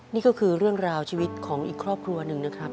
นี่ก็คือเรื่องราวชีวิตของอีกครอบครัวหนึ่งนะครับ